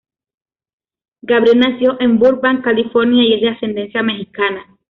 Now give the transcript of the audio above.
Gabriel nació en Burbank, California, y es de ascendencia mexicana.